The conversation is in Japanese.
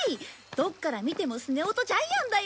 どっから見てもスネ夫とジャイアンだよ。